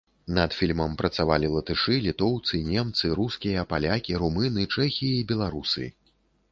Над фільмам працавалі латышы, літоўцы, немцы, рускія, палякі, румыны, чэхі і беларусы.